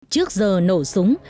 trước giờ nổ súng